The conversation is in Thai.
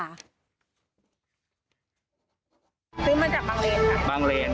ซื้อมาจากบางเลนค่ะ